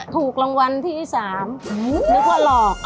ถูกรางวัลที่๓นึกว่าหลอก